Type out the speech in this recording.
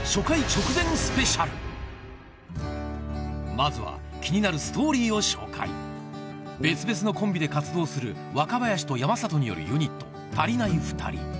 まずは気になるストーリーを紹介別々のコンビで活動する若林と山里によるユニット「たりないふたり」